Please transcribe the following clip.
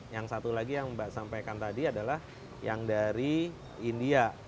yang satu lagi yang mbak sampaikan tadi adalah yang dari india